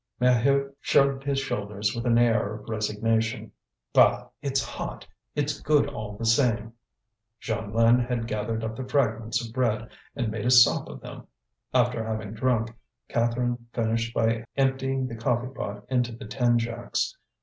Maheu shrugged his shoulders with an air of resignation. "Bah! It's hot! It's good all the same." Jeanlin had gathered up the fragments of bread and made a sop of them. After having drunk, Catherine finished by emptying the coffee pot into the tin jacks.